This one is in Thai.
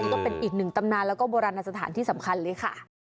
ก็เป็นอีกหนึ่งตำนานแล้วก็โบราณสถานที่สำคัญเลยค่ะ